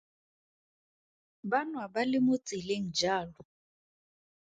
Ba nwa ba le mo tseleng jalo.